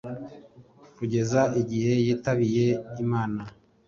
Kugeza igihe yitabiye Imana